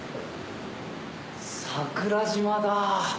桜島だ。